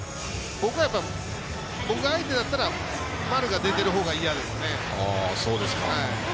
僕が相手だったら丸が出ているほうが嫌ですね。